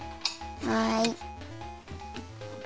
はい。